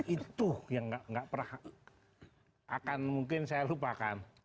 itu yang nggak pernah akan mungkin saya lupakan